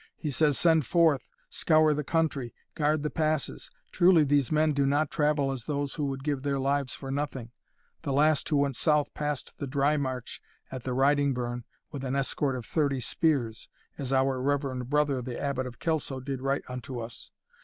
He says, send forth scour the country guard the passes Truly these men do not travel as those who would give their lives for nothing the last who went south passed the dry march at the Riding burn with an escort of thirty spears, as our reverend brother the Abbot of Kelso did write unto us.